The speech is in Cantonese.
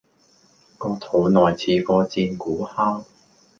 個肚內似係個戰鼓敲